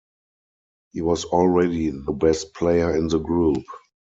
He was already the best player in the group.